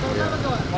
oh apa apa itu pak